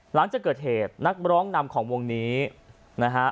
หลังจากเกิดเหตุนักร้องนำของวงนี้นะฮะ